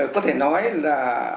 có thể nói là